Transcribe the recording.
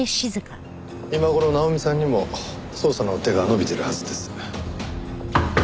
今頃奈穂美さんにも捜査の手が伸びてるはずです。